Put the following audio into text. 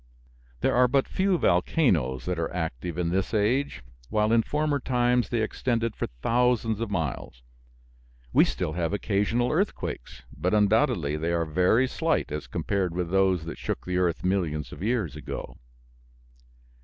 There are but few volcanoes that are active in this age, while in former times they extended for thousands of miles. We still have occasional earthquakes, but undoubtedly they are very slight as compared with those that shook the earth millions of years ago.